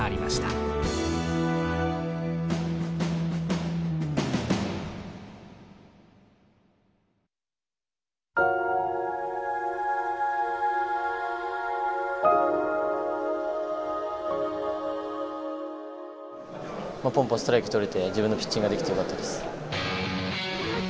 ストライク取れて自分のピッチングができてよかったです。